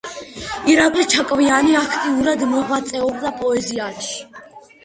ირაკლი ჩარკვიანი აქტიურად მოღვაწეობდა პოეზიაშიც.